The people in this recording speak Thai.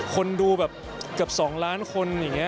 คนดูแบบเกือบ๒ล้านคนอย่างนี้